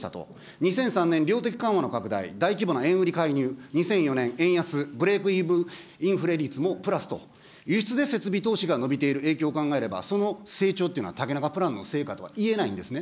２００３年量的緩和の拡大、大規模な円売り介入、２００４年、円安ブレークイーブンインフレ率もプラスという、輸出で設備投資が伸びていることを考えれば竹中プランの成果とはいえないんですね。